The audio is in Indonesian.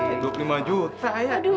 aduh selamat ya